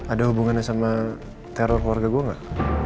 ada hubungannya sama teror keluarga gue gak